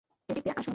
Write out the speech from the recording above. এদিক দিয়ে আসুন!